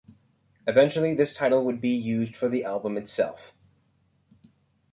Eventually this title would be used for the album itself.